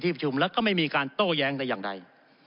ประชุมแล้วก็ไม่มีการโต้แย้งแต่อย่างใด